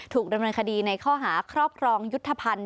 ถูกดำเนินคดีในข้อหาครอบครองยุทธภัณฑ์